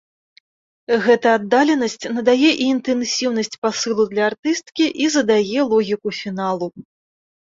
Гэта аддаленасць надае і інтэнсіўнасць пасылу для артысткі, і задае логіку фіналу.